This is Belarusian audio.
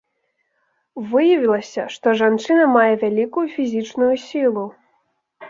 Выявілася, што жанчына мае вялікую фізічную сілу.